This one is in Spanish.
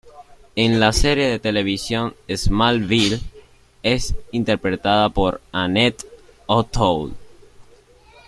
En la serie de televisión Smallville es interpretada por Annette O'Toole.